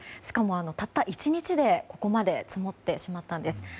しかも、たった１日でここまで積もってしまったんです。